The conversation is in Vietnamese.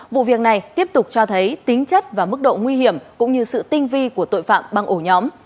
vụ việc này tiếp tục cho thấy tính chất và mức độ nguy hiểm cũng như sự tinh vi của tội phạm băng ổ nhóm